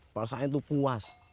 pasal itu puas